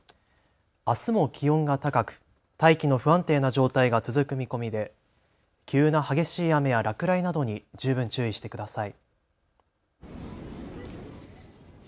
あすも気温が高く大気の不安定な状態が続く見込みで急な激しい雨や落雷などに十分注意してください。